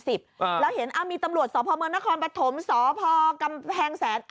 แล้วเห็นมีตำรวจสพเมืองนครปฐมสพกำแพงแสน